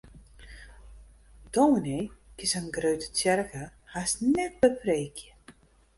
Dominy kin sa'n grutte tsjerke hast net bepreekje.